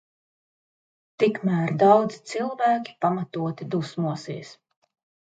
Tikmēr daudzi cilvēki pamatoti dusmosies.